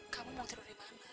kamu mau tidur dimana